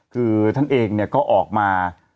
คือท่านเองเนี่ยก็ออกมา